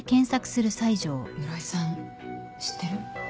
室井さん知ってる？